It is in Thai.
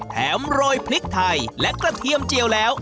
โรยพริกไทยและกระเทียมเจียวแล้ว